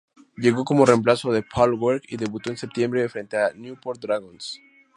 Llegó como remplazo de Paul Warwick y debutó en septiembre frente a Newport Dragons.